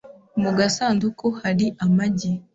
Mu gasanduku hari amagi .